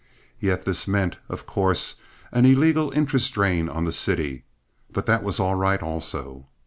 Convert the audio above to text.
Yet this meant, of course, an illegal interest drain on the city, but that was all right also.